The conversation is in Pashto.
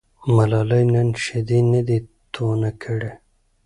ملالۍ نن شیدې نه دي تونه کړي.